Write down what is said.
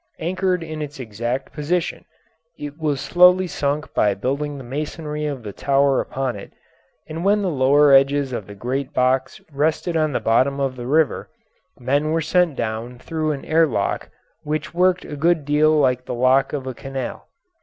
Anchored in its exact position, it was slowly sunk by building the masonry of the tower upon it, and when the lower edges of the great box rested on the bottom of the river men were sent down through an air lock which worked a good deal like the lock of a canal.